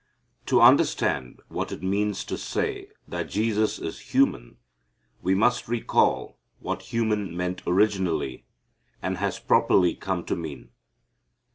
To understand what it means to say that Jesus is human we must recall what human meant originally, and has properly come to mean.